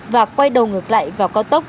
và quay đầu ngược lại vào cao tốc